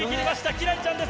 輝星ちゃんです。